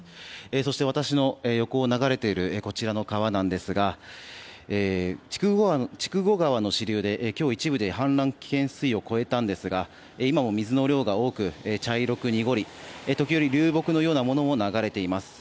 そして私の横を流れているこちらの川なんですが筑後川の支流で今日、一部で氾濫危険水位を超えたんですが今も水の量が多く、茶色く濁り時折、流木のようなものが流れています。